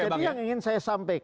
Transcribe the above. jadi yang ingin saya sampaikan